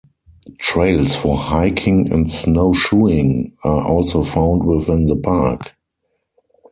Trails for hiking and snowshoeing are also found within the park.